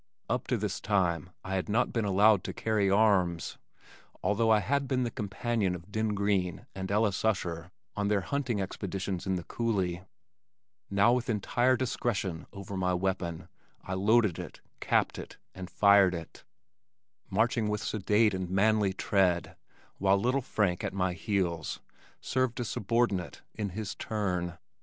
Up to this time I had not been allowed to carry arms, although I had been the companion of Den Green and Ellis Usher on their hunting expeditions in the coulee now with entire discretion over my weapon, I loaded it, capped it and fired it, marching with sedate and manly tread, while little Frank at my heels, served as subordinate in his turn.